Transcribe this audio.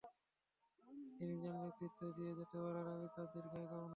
তিনি যেন নেতৃত্ব দিয়ে যেতে পারেন, আমি তাঁর দীর্ঘায়ু কামনা করি।